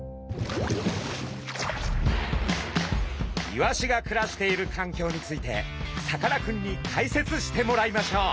イワシが暮らしているかんきょうについてさかなクンに解説してもらいましょう。